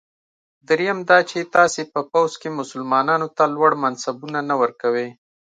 دریم دا چې تاسي په پوځ کې مسلمانانو ته لوړ منصبونه نه ورکوی.